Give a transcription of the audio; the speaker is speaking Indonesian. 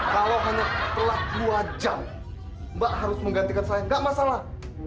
kalau hanya telat dua jam mbak harus menggantikan saya nggak masalah